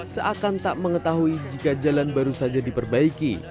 seakan tak mengetahui jika jalan baru saja diperbaiki